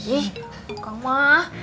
ih bukan mah